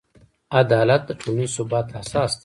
عدالت د ټولنیز ثبات اساس دی.